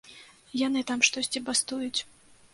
Яны там штосьці бастуюць.